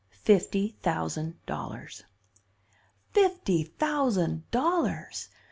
Fifty, thousand dollars.' "Fifty thousand dollars!